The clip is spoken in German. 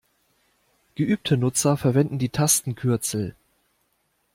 Geübte Nutzer verwenden die Tastaturkürzel.